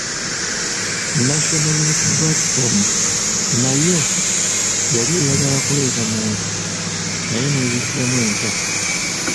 National Unity Platform nayo yali eyagala kuleeta muntu naye n’ebiggyamu enta.